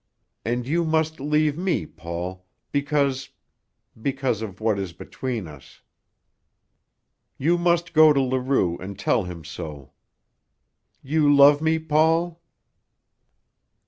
And you must leave me, Paul, because because of what is between us. You must go to Leroux and tell him so. You love me, Paul?"